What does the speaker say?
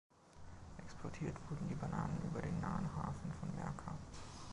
Exportiert wurden die Bananen über den nahen Hafen von Merka.